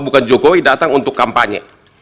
bukan jokowi datang untuk kampanye